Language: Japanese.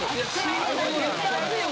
絶対熱いよ。